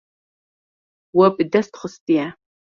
We bi dest xistiye.